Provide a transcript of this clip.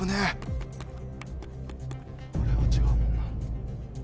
あれは違うもんな。